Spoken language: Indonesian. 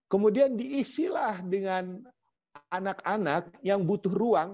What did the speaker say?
kemudian diisilah dengan anak anak yang butuh ruang